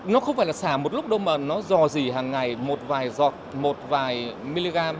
nó không phải là xả một lúc đâu mà nó dò dỉ hàng ngày một vài giọt một vài mg